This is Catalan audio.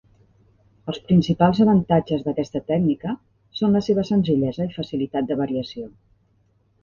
Els principals avantatges d'aquesta tècnica són la seva senzillesa i facilitat de variació.